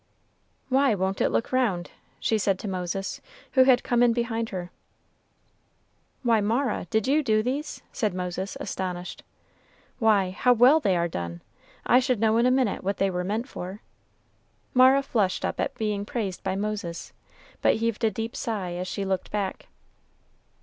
"Why won't it look round?" she said to Moses, who had come in behind her. "Why, Mara, did you do these?" said Moses, astonished; "why, how well they are done! I should know in a minute what they were meant for." Mara flushed up at being praised by Moses, but heaved a deep sigh as she looked back.